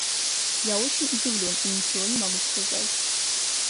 Я очень удивлен и ничего не могу сказать.